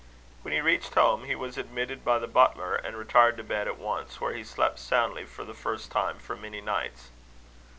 When he reached home, he was admitted by the butler, and retired to bed at once, where he slept soundly, for the first time for many nights.